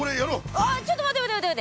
あっちょっと待って待って待って。